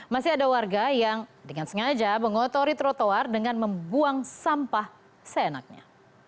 masih ada warga yang dengan sengaja mengotori trotoar dengan membuang sampah seenaknya